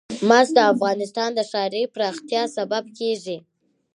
مس د افغانستان د ښاري پراختیا سبب کېږي.